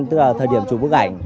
tức là thời điểm chụp bức ảnh